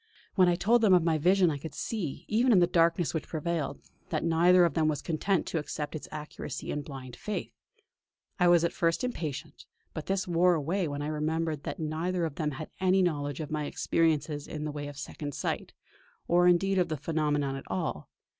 When I told them of my vision I could see, even in the darkness which prevailed, that neither of them was content to accept its accuracy in blind faith. I was at first impatient; but this wore away when I remembered that neither of them had any knowledge of my experiences in the way of Second Sight, or indeed of the phenomenon at all.